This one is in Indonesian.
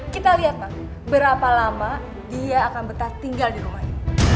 kita lihat pak berapa lama dia akan betah tinggal di rumah ini